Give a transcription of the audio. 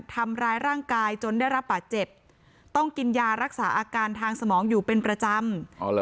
ทำร้ายร่างกายจนได้รับบาดเจ็บต้องกินยารักษาอาการทางสมองอยู่เป็นประจำ